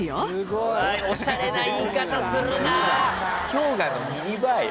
「氷河のミニバーよ」。